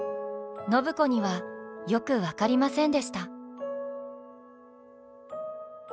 暢子にはよく分かりませんでした。